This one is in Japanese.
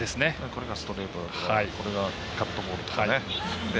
これがストレートだとかこれがカットボールとかね。